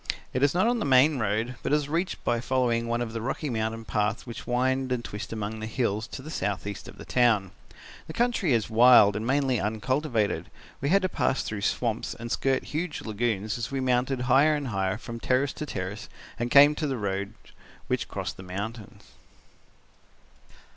It is not on the main road, but it is reached by following one of the rocky mountain paths which wind and twist among the hills to the south east of the town. The country is wild and mainly uncultivated. We had to pass through swamps and skirt huge lagoons as we mounted higher and higher from terrace to terrace and came to the roads which crossed the mountains.